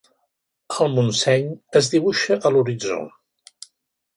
El Montseny es dibuixava a l'horitzó.